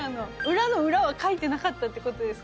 裏の裏はかいてなかったって事ですか？